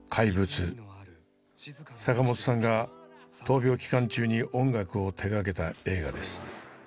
坂本さんが闘病期間中に音楽を手がけた映画です。